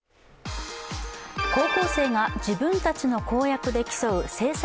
高校生が自分たちの公約で競う政策